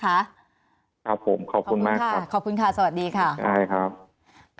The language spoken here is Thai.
ครับผมขอบคุณมากครับขอบคุณค่ะสวัสดีค่ะสวัสดีครับ